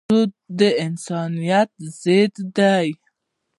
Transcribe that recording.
سود د انسانیت ضد دی.